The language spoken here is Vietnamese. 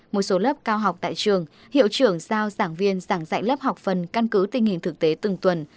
một số lớp cao học tại trường hiệu trưởng giao giảng viên giảng dạy lớp học phần căn cứ tình hình thực tế từng tuần